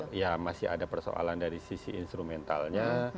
ya masih ada persoalan dari sisi instrumentalnya